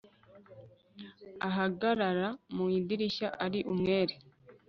ahagarara mu idirishya ari umwere